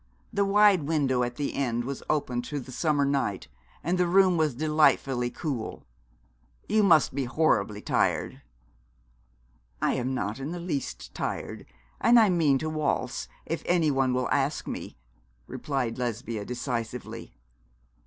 The wide window at the end was opened to the summer night, and the room was delightfully cool. 'You must be horribly tired?' 'I am not in the least tired, and I mean to waltz, if anyone will ask me,' replied Lesbia, decisively.